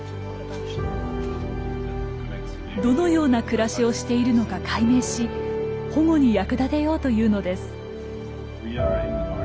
どのような暮らしをしているのか解明し保護に役立てようというのです。